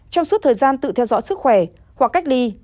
trong suốt thời gian tự theo dõi sức khỏe hoặc cách ly